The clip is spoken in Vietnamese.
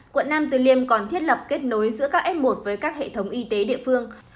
quận nam từ liêm còn thiết lập kết nối giữa các f một với các hệ thống y tế địa phương